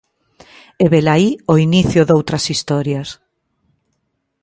E velaí o inicio doutras historias.